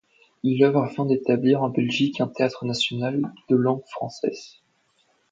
Il œuvre afin d'établir en Belgique un théâtre national de langue française.